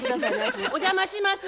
お邪魔します。